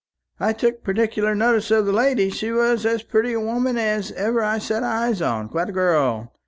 "I took particular notice of the lady. She was as pretty a woman as ever I set eyes upon quite a girl.